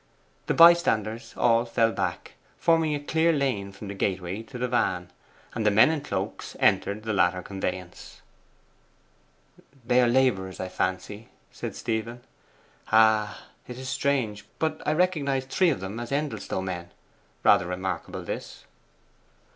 The bystanders all fell back, forming a clear lane from the gateway to the van, and the men in cloaks entered the latter conveyance. 'They are labourers, I fancy,' said Stephen. 'Ah, it is strange; but I recognize three of them as Endelstow men. Rather remarkable this.